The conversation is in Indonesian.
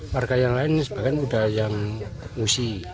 warga yang lain sebagian sudah yang ngungsi